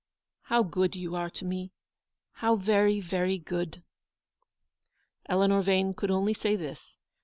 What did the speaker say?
" How good you are to me, how very, very good !" Eleanor Vane could only say this.